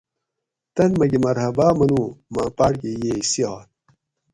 تن مکہ مرحبا منو ماں پاۤٹ کہ ییئی صِحات